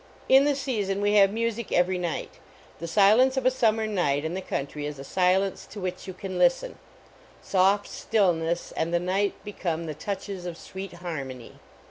In the season, we have music every night. The silence of a summer night in the coun try is a silence to which you can listen ; soft stillness and the night become the touches of sweet harmony."